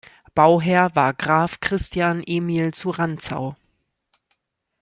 Bauherr war Graf Christian Emil zu Rantzau.